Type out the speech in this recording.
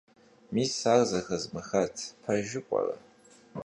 Мис ар зэхэзмыхат. Пэжу пӏэрэ?